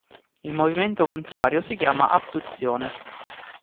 Il movimento contrario si chiama abduzione.